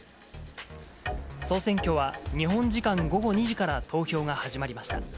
総選挙は、日本時間午後２時から投票が始まりました。